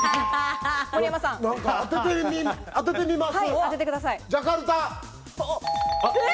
当ててみます。